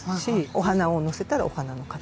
お花をのせたらお花の形。